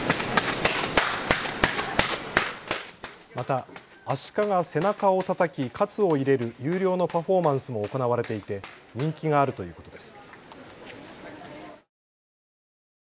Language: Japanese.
またアシカが背中をたたきかつをいれる有料のパフォーマンスも行われていて人気があるということです。